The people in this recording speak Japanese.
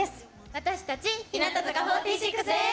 私たち日向坂４６です。